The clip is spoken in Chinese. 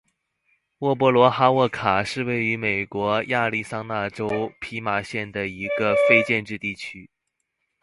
沃波罗哈沃卡是位于美国亚利桑那州皮马县的一个非建制地区。